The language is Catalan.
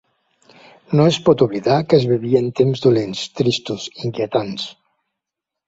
No es pot oblidar que es vivien temps dolents, tristos, inquietants.